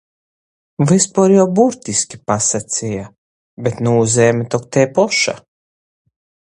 Vyspuor jau burtiski pasaceja. Bet nūzeime tok tei poša!